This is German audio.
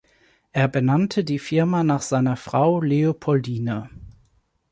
Er benannte die Firma nach seiner Frau Leopoldine.